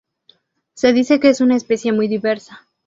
Se dice que es una especie muy diversa.